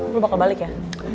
lo bakal balik ya